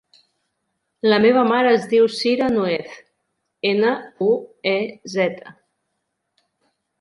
La meva mare es diu Cira Nuez: ena, u, e, zeta.